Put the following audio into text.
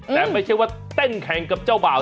แต่ไม่ใช่ว่าเต้นแข่งกับเจ้าบ่าว